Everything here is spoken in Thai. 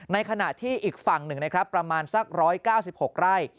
ในขณะที่อีกฝั่งหนึ่งนะครับประมาณสัก๑๙๖ไร่